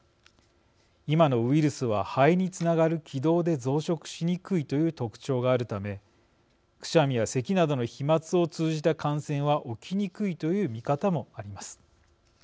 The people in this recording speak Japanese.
今のウイルスは、肺につながる気道で増殖しにくいという特徴があるためくしゃみやせきなどの飛まつを通じた感染は起きにくいという見方もあります。